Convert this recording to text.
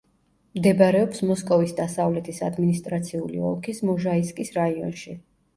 მდებარეობს მოსკოვის დასავლეთის ადმინისტრაციული ოლქის მოჟაისკის რაიონში.